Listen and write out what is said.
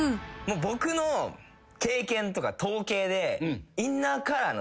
僕の経験とか統計で。